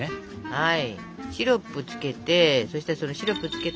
はい！